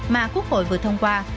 mà quốc hội vừa thông qua